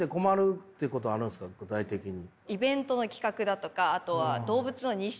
具体的に。